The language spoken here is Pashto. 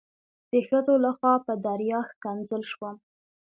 د ښځو لخوا په دریا ښکنځل شوم.